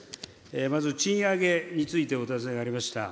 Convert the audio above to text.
まず賃上げについてお尋ねがありました。